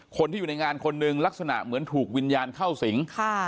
คนที่อยู่ในงานคนหนึ่งลักษณะเหมือนถูกวิญญาณเข้าสิง